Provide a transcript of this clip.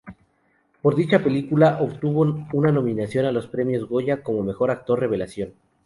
Por dicha película obtuvo una nominación a los premios Goya como mejor actor revelación.